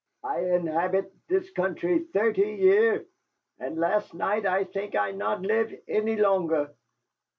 I inhabit this country thirty year, and last night I think I not live any longer.